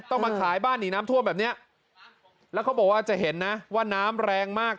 มาขายบ้านหนีน้ำท่วมแบบเนี้ยแล้วเขาบอกว่าจะเห็นนะว่าน้ำแรงมาก